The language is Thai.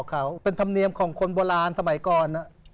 คำเนียมของคนโบราณสมัยก่อน